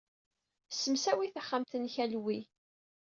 Ssemsawi taxxamt-nnek a Louie.